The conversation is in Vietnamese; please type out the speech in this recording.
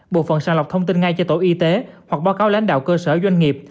bộ phận sàng lọc thông tin ngay cho tổ y tế hoặc báo cáo lãnh đạo cơ sở doanh nghiệp